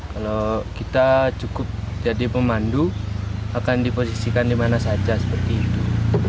kalau kita cukup jadi pemandu akan diposisikan dimana saja seperti itu